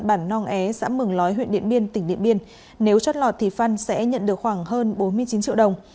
bản nong é xã mừng lói huyện điện biển tỉnh điện biển nếu chất lọt thì phân sẽ nhận được khoảng hơn bốn mươi chín triệu đồng